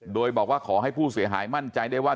โดยบอกว่าขอให้ผู้เสียหายมั่นใจได้ว่า